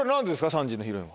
３時のヒロイン。